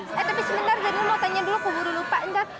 eh tapi sebentar zarina mau tanya dulu kuburin lupa entar